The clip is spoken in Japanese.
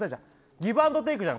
ギブアンドテイクじゃん